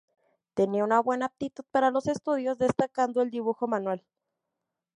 Tenía una buena aptitud para los estudios, destacando el dibujo manual.